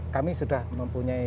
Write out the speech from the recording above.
kami sudah mempunyai